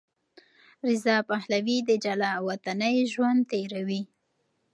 رضا پهلوي د جلاوطنۍ ژوند تېروي.